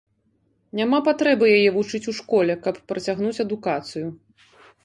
Няма патрэбы яе вучыць у школе, каб працягнуць адукацыю.